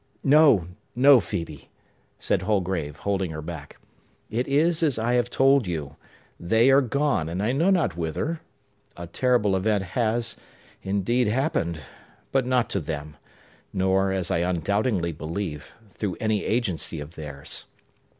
"No, no, Phœbe!" said Holgrave holding her back. "It is as I have told you. They are gone, and I know not whither. A terrible event has, indeed happened, but not to them, nor, as I undoubtingly believe, through any agency of theirs.